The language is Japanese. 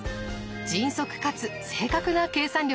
迅速かつ正確な計算力。